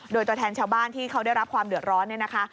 โดยตัวแทนชาวบ้านที่เขาได้รับความเดือดร้อนเนี่ยนะคะ